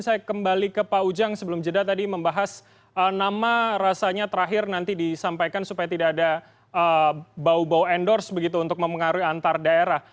saya kembali ke pak ujang sebelum jeda tadi membahas nama rasanya terakhir nanti disampaikan supaya tidak ada bau bau endorse begitu untuk mempengaruhi antar daerah